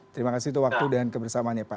terima kasih untuk waktu dan kebersamaan ya pak